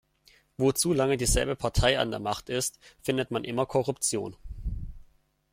Wo zu lange dieselbe Partei an der Macht ist, findet man immer Korruption.